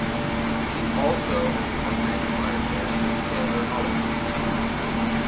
She also has a country-inspired band with Taylor Hollingsworth.